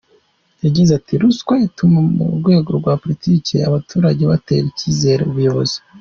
Yagize ati “Ruswa ituma mu rwego rwa politiki abaturage batera icyizere ubuyobozi.